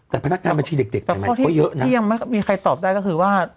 แต่พนักงานบัญชีเด็กอีกไหมเดี๋ยวคงเยอะนะเพียงมีใครตอบได้ก็คือว่า